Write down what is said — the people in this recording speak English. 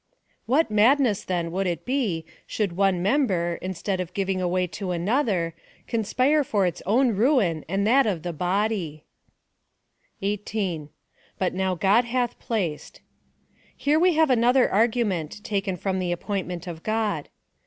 What madness, then, would it be, should one member, instead of giving way to another,^ conspire for its own ruin and that of the body I" 18. But now God hath placed. Here we have another argument, taken from the appointment of God.